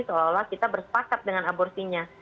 seolah olah kita bersepakat dengan aborsinya